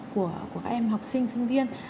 của các em học sinh sinh viên